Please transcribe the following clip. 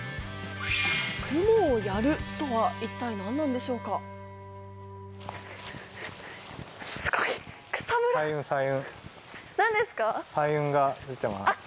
雲をやるとは一体、何なんでしょうか？